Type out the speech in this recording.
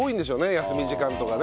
休み時間とかね。